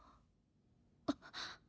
あっ！